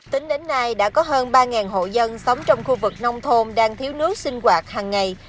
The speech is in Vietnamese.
tính đến nay đã có hơn ba hộ dân sống trong khu vực nông thôn đang thiếu nước sinh hoạt hàng ngày